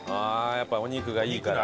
やっぱりお肉がいいから。